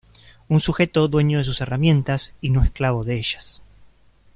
Un sujeto dueño de sus herramientas, y no esclavo de ellas.